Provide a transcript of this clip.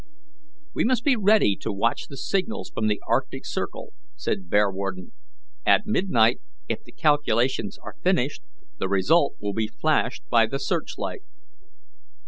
"We must be ready to watch the signals from the arctic circle," said Bearwarden. "At midnight, if the calculations are finished, the result will be flashed by the searchlight."